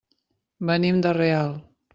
Venim de Real.